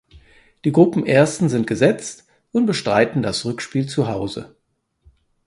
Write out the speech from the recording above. Die Gruppenersten sind gesetzt und bestreiten das Rückspiel zu Hause.